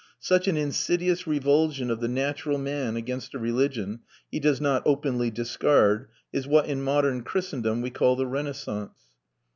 Such an insidious revulsion of the natural man against a religion he does not openly discard is what, in modern Christendom, we call the Renaissance.